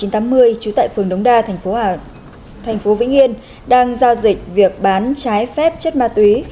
trú tại phường đống đa tp vĩnh yên đang giao dịch việc bán trái phép chất ma túy